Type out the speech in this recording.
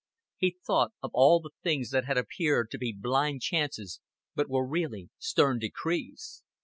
He thought of all the things that had appeared to be blind chances but were really stern decrees.